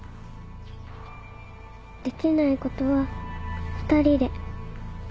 できないことは二人で。